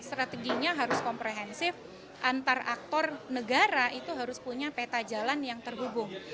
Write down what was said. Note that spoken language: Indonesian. strateginya harus komprehensif antar aktor negara itu harus punya peta jalan yang terhubung